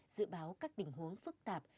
dự báo các tình huống phức tạp